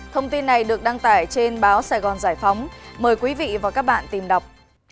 thông tin này được đăng tải trên báo sài gòn giải phóng mời quý vị và các bạn tìm đọc